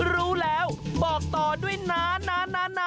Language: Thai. รู้แล้วบอกต่อด้วยนะนะนะนะ